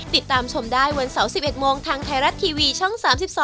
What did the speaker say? ติดตามชมได้วันเสาร์๑๑โมงทางไทยรัฐทีวีช่อง๓๒